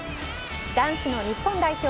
男子の日本代表